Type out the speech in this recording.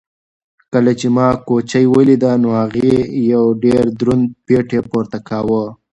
کله چې ما کوچۍ ولیده نو هغې یو ډېر دروند پېټی پورته کاوه.